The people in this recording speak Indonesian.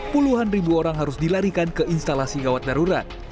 puluhan ribu orang harus dilarikan ke instalasi gawat darurat